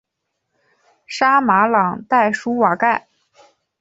沙马朗代舒瓦盖。